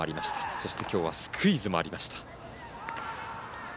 そして、きょうはスクイズもありました。